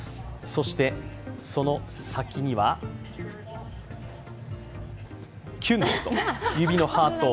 そして、その先にはきゅんです、指のハート。